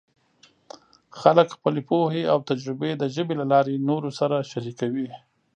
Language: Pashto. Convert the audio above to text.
خلک خپلې پوهې او تجربې د ژبې له لارې نورو سره شریکوي.